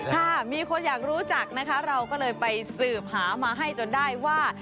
ค่ะมีคนอยากรู้จักนะคะเราก็เลยไปสืบหามาให้จนได้ว่า